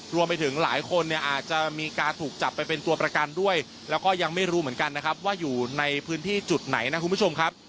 รวมไปถึงหลายคนเนี่ยอาจจะมีการถูกจับไปเป็นตัวประกันด้วยแล้วก็ยังไม่รู้เหมือนกันนะครับว่าอยู่ในพื้นที่จุดไหนนะคุณผู้ชมครับ